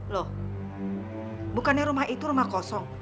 loh bukannya rumah itu rumah kosong